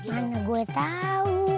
mana gua tau